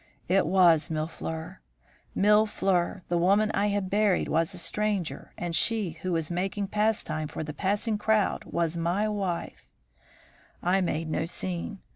It was Mille fleurs! Mille fleurs! The woman I had buried was a stranger, and she who was making pastime for the passing crowd was my wife! "I made no scene.